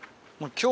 今日。